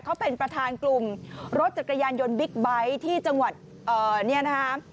เขาเป็นประธานกลุ่มรถจักรยานยนต์บิ๊กไบท์ที่จังหวัดเนี่ยนะคะ